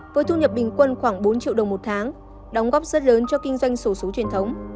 với thu nhập bình quân khoảng bốn triệu đồng một tháng đóng góp rất lớn cho kinh doanh sổ số truyền thống